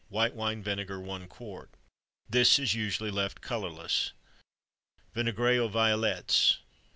White wine vinegar 1 qt. This is usually left colorless. VINAIGRE AUX VIOLETTES.